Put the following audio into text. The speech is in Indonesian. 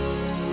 gak mau nyak